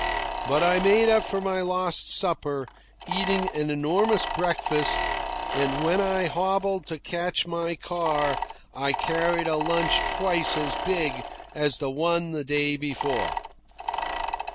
But I made up for my lost supper, eating an enormous breakfast, and when I hobbled to catch my car I carried a lunch twice as big as the one the day before.